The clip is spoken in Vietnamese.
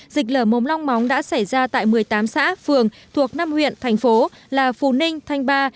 dịch lở mồm long móng đã xảy ra tại một mươi tám xã phường thuộc năm huyện thành phố là phù ninh thanh ba